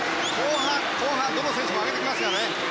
後半、どの選手も上げてきますからね。